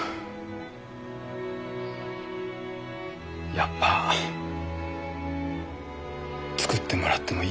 やっぱ作ってもらってもいいかな？